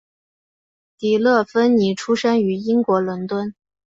迪乐芬妮出生于英国伦敦。